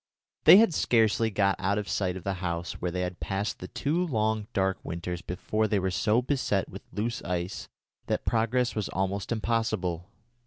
They had scarcely got out of sight of the house where they had passed the two long dark winters before they were so beset with loose ice that progress was almost impossible.